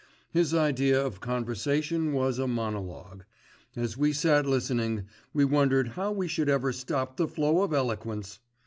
His idea of conversation was a monologue. As we sat listening, we wondered how we should ever stop the flow of eloquence.